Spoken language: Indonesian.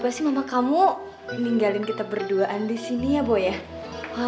pasti mama kamu ninggalin kita berduaan di sini ya bu ya